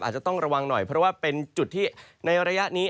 อาจจะต้องระวังหน่อยเพราะว่าเป็นจุดที่ในระยะนี้